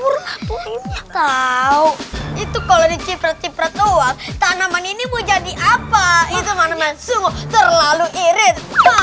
tahu itu kalau dicipet cipret uang tanaman ini mau jadi apa itu terlalu irit